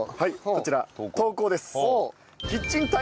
こちら投稿です。